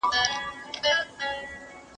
مشاورین هڅه کوي خطر مدیریت کړي.